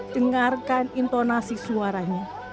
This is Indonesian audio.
dengarkan intonasi suaranya